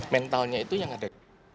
mentalnya itu yang ada